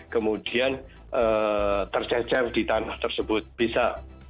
kemudian tercecer di tanah tersebut bisa